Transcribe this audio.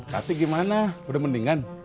nanti gimana udah mendingan